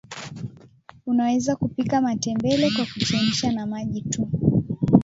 unaweza kupika matembele kwa kuchemsha na maji tu